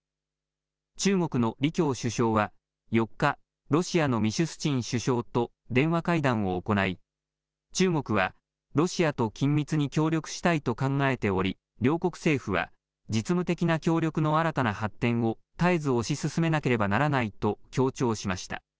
中国の李強首相は４日、ロシアのミシュスチン首相と電話会談を行い中国はロシアと緊密に協力したいと考えており両国政府は実務的な協力の新たな発展を絶えず推し進めなければならないと強調しました。